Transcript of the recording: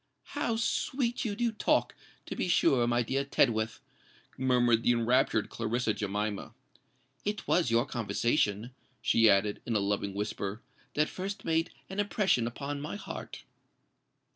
"How sweet you do talk, to be sure, my dear Tedworth!" murmured the enraptured Clarissa Jemima. "It was your conversation," she added, in a loving whisper, "that first made an impression upon my heart."